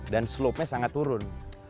dan slope nya sangat turun